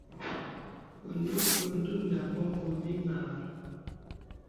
Bə ǹdùnàɛ̂ m̀bɔ̄ŋ bòt ìmàgā.